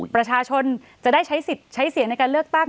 ประชาชนจะได้ใช้เสียงในการเลือกตั้ง